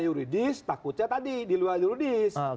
yuridis takutnya tadi di luar juridis